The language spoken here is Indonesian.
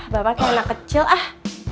bapak kayak anak kecil ah